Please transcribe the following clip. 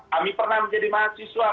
kami pernah menjadi mahasiswa